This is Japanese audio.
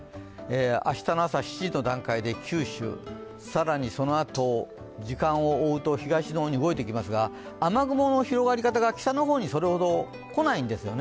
明日の朝７時の段階で九州、更にそのあと時間を追うと東の方に動いていきますが、雨雲の広がり方が北の方にそれほど来ないんですよね。